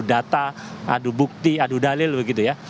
data adu bukti adu dalil begitu ya